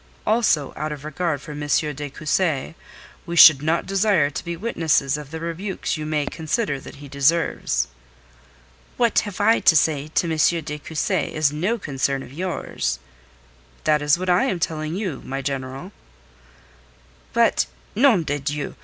Also out of regard for M. de Cussy, we should not desire to be witnesses of the rebukes you may consider that he deserves." "What I may have to say to M. de Cussy is no concern of yours." "That is what I am telling you, my General." "But nom de Dieu!